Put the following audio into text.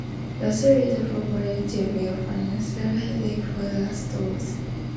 The series proved to be a financial headache for the Stooges.